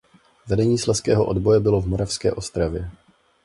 Vedení Slezského odboje bylo v Moravské Ostravě.